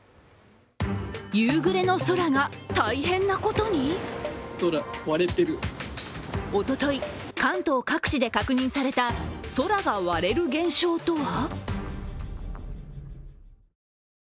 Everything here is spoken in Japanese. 夕暮れの空が大変なことにおととい、関東各地で確認された空が割れる現象とは？